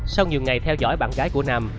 sau nhiều ngày theo dõi bạn gái của nam